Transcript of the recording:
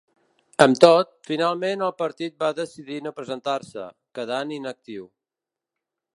Amb tot, finalment el partit va decidir no presentar-se, quedant inactiu.